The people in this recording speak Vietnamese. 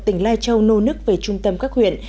tỉnh lai châu nô nức về trung tâm các huyện